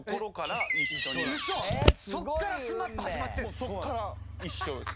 もうそっから一緒です。